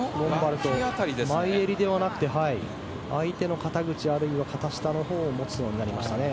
前襟ではなくて相手の肩口あるいは、肩下のほうを持つようになりましたね。